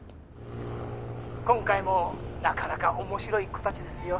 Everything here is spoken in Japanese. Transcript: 今回もなかなか面白い子たちですよ。